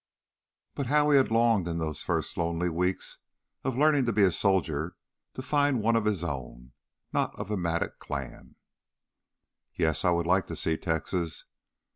But how he had longed in those first lonely weeks of learning to be a soldier to find one of his own not of the Mattock clan! "Yes, I would like to see Texas!"